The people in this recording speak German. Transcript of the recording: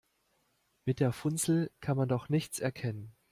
Mit der Funzel kann man doch nichts erkennen.